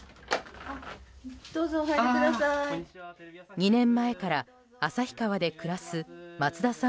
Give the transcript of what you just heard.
２年前から旭川で暮らす松田さん